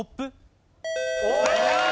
正解！